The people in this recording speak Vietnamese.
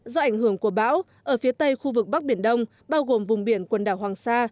do ảnh hưởng của bão ở phía tây khu vực bắc biển đông bao gồm vùng biển quần đảo hoàng sa